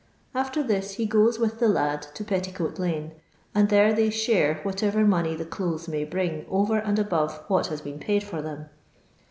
After this he goes with the lad to Fetticoat lane, and there they share whatever money the clothes may bring over and above what has been paid for them.